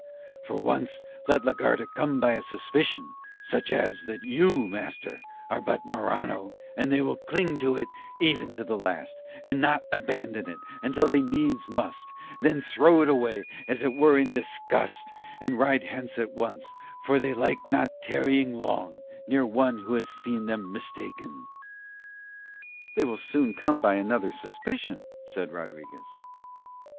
For once let la Garda come by a suspicion, such as that you, master, are but Morano, and they will cling to it even to the last, and not abandon it until they needs must, and then throw it away as it were in disgust and ride hence at once, for they like not tarrying long near one who has seen them mistaken." "They will soon then come by another suspicion," said Rodriguez.